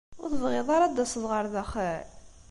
Ur tebɣiḍ ara ad d-taseḍ ɣer daxel?